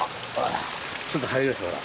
ちょっと入りましたほら。